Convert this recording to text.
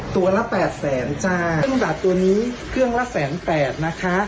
ตัวละแปดแสนจ้าเครื่องดาบตัวนี้เครื่องละแสนแปดนะคะ